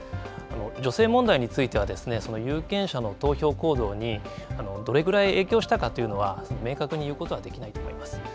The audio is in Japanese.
女性問題については有権者の投票行動にどれぐらい影響したかというのは明確に言うことはできないと思います。